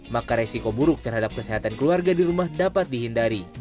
maka resiko buruk terhadap kesehatan keluarga di rumah dapat dihindari